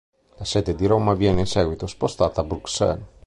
La sede di Roma viene in seguito spostata a Bruxelles.